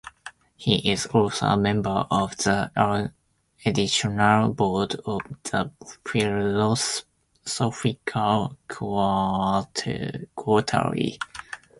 He is also a member of the editorial board of "The Philosophical Quarterly".